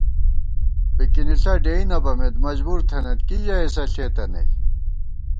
بِکِنِݪہ ڈېئی نہ بَمېت مجبُور تھنَئیت کی ژَئی اسہ ݪېتہ نئ